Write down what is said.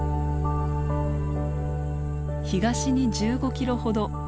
東に１５キロほど。